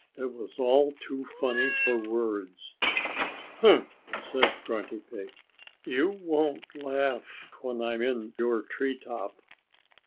It was all too funny for words. "Umph!" said Grunty Pig. "You won't laugh when I'm in your tree top."